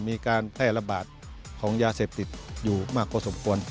มีการแพร่ระบาดของยาเสพติดอยู่มากพอสมควร